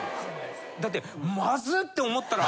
だって「まずっ！？」って思ったら。